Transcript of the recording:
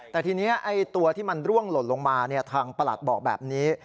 แต่ทีนี้ตัวที่มันร่วงหล่นลงมาทางประหลัดบอกแบบนี้